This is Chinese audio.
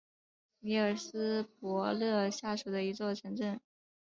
米尔斯伯勒下属的一座城镇。